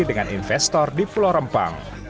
dengan investor di pulau rempang